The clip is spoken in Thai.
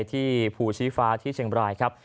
ที่ภูชีฟ้าที่เชียงบรายครับ